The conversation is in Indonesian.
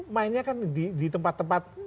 mainnya kan di tempat tempat